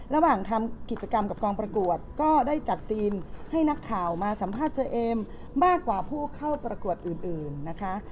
ระหว่างทำกิจกรรมกับกองประกวดก็ได้จัดซีนให้นักข่าวมาสัมภาษณ์เจเอมมากกว่าผู้เข้าประกวดอื่นนะคะ